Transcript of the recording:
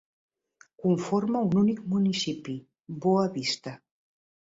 Conforma un únic municipi, Boa Vista.